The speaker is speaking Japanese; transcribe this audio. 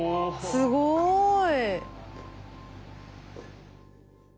すごい。